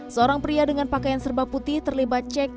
seorang pria dengan pakaian serba putih terlibat dengan kata